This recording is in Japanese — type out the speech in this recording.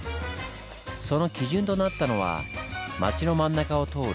その基準となったのは町の真ん中を通る